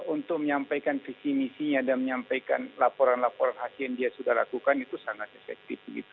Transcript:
untuk menyampaikan visi misinya dan menyampaikan laporan laporan khas yang dia sudah lakukan itu sangat efektif